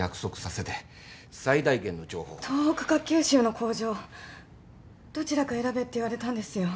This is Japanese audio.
東北か九州の工場どちらか選べって言われたんですよ。